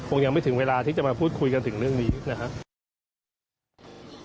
ยังไม่ถึงเวลาที่จะมาพูดคุยกันถึงเรื่องนี้นะครับ